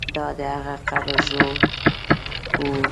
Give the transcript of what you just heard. دا د هغه قبر زور وو.